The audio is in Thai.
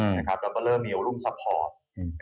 นะครับดับเบอร์เลอร์มีออลุมซัพพอร์ต